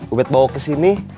ubed bawa kesini